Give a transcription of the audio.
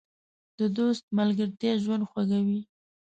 د دوست ملګرتیا ژوند خوږوي.